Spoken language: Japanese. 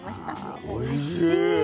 はおいしい！